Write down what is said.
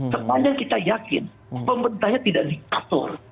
sepanjang kita yakin pemerintahnya tidak diatur